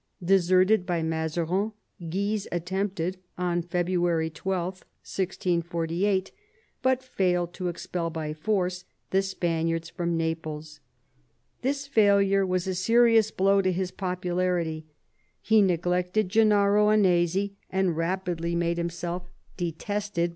Deserted by Mazarin, Guise attempted, on February 12, 1648, but failed to expel by force the Spaniards from Naples. This failure was a serious blow to his popularity; he neglected Gennaro Annesi, and rapidly made himself detested 82 MAZARIN chap.